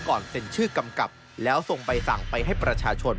เซ็นชื่อกำกับแล้วส่งใบสั่งไปให้ประชาชน